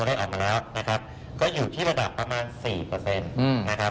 ตัวนี้ออกมาแล้วนะครับก็อยู่ที่ระดับประมาณ๔เปอร์เซ็นต์